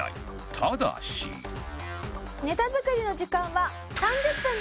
ただしネタ作りの時間は３０分と。